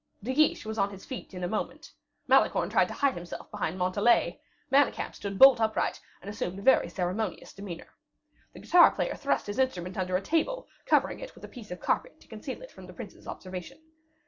De Guiche was on his feet in a moment. Malicorne tried to hide himself behind Montalais. Manicamp stood bolt upright, and assumed a very ceremonious demeanor. The guitar player thrust his instrument under a table, covering it with a piece of carpet to conceal it from the prince's observation.